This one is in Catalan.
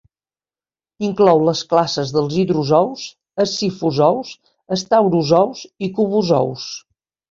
Inclou les classes dels hidrozous, escifozous, estaurozous i cubozous.